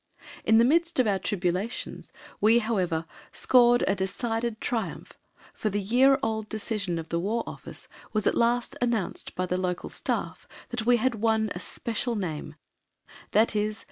In the midst of our tribulations we, however, scored a decided triumph, for the year old decision of the War Office was at last announced by the local Staff that we had won a special name, viz.